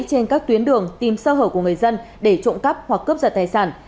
trên các tuyến đường tìm sơ hở của người dân để trộm cắp hoặc cướp giật tài sản